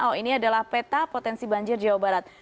oh ini adalah peta potensi banjir jawa barat